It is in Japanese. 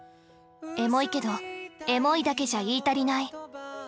エモいけどエモいだけじゃ言い足りない！